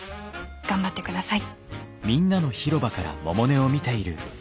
頑張ってください。